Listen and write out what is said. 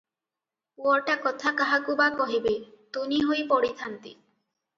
ପୁଅଟା କଥା କାହାକୁ ବା କହିବେ, ତୁନି ହୋଇ ପଡିଥାନ୍ତି ।